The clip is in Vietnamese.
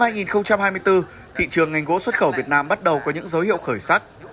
năm hai nghìn hai mươi bốn thị trường ngành gỗ xuất khẩu việt nam bắt đầu có những dấu hiệu khởi sắc